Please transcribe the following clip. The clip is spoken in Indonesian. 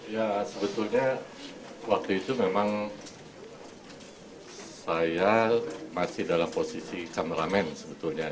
ya sebetulnya waktu itu memang saya masih dalam posisi kameramen sebetulnya